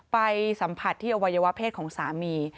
ไปสัมผัสที่อวัยวะเพศของสามี